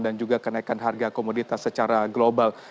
dan juga kenaikan harga komoditas secara global